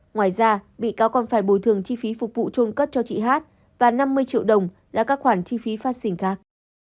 ngoài ra bị cáo còn phải bồi thường chi phí phục vụ trôn cất cho chị hát và năm mươi triệu đồng là các khoản chi phí phát sinh khác